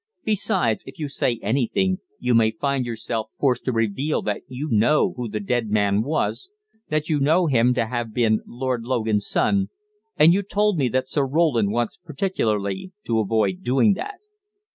Besides, if you say anything, you may find yourself forced to reveal that you know who the dead man was, that you know him to have been Lord Logan's son, and you told me that Sir Roland wants particularly to avoid doing that.